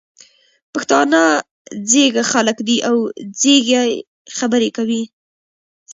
پښتانه ځيږه خلګ دي او ځیږې خبري کوي.